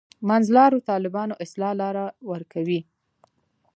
منځلارو طالبانو اصطلاح لاره ورکوي.